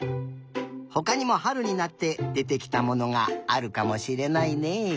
ほかにもはるになってでてきたものがあるかもしれないね。